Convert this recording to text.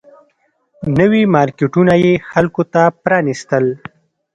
نوي مارکیټونه یې خلکو ته پرانيستل